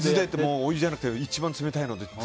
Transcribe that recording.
お湯じゃなくて一番冷たいのでって。